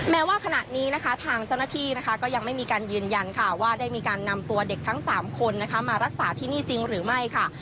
แม้ว่าขณะนี้นะคะทางเจ้าหน้าที่นะคะก็ยังไม่มีการยืนยันค่ะว่าได้มีการนำตัวเด็กทั้ง๓คนมารักษาที่นี่จริงหรือไม่ค่ะ